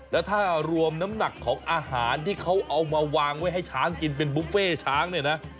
แล้วถ้ารวมน้ำหนักของอาหารที่เขาเอามาวางไว้ให้ช้างกินเป็นบุฟเฟ่ช้างเนี่ยนะ